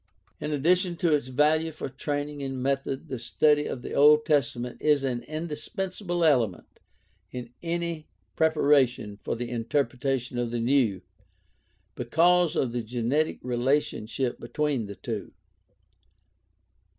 In addition to its value for training in method the study of the Old Testament is an indispensable element in any 148 GUIDE TO STUDY OF CHRISTIAN RELIGION preparation for the interpretation of the New, because of the genetic relationship between the two.